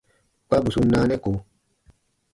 Kpa bù sun naanɛ ko.